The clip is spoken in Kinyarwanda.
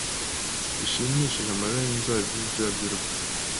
bishimishije amarira yinzabibu ibyuya byurupfu